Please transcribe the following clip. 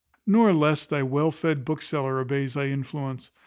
Nor less thy well fed bookseller obeys thy influence.